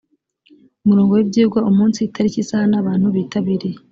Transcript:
umurongo w’ibyigwa umunsi itariki isaha n’abantu bitabiriye